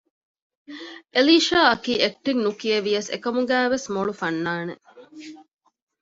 އެލީޝާ އަކީ އެކްޓިން ނުކިޔެވިޔަސް އެކަމުގައިވެސް މޮޅު ފަންނާނެއް